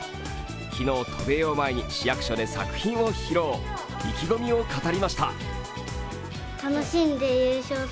昨日、渡米を前に市役所で作品を披露、意気込みを語りました。